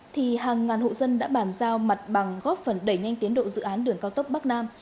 thì hàng ngàn hộ dân đã bàn giao mặt bằng góp phần đẩy nhanh tiến độ dự án đường cao tốc bắc nam